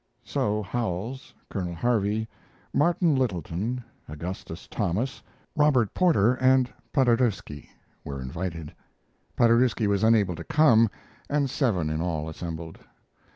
So Howells, Colonel Harvey, Martin Littleton, Augustus Thomas, Robert Porter, and Paderewski were invited. Paderewski was unable to come, and seven in all assembled.